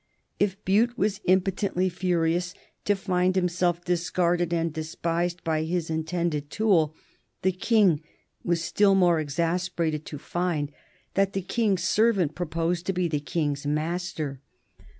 If Bute was impotently furious to find himself discarded and despised by his intended tool, the King was still more exasperated to find that the King's servant proposed to be the King's master.